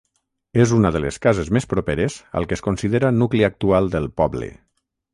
És una de les cases més properes al que es considera nucli actual del poble.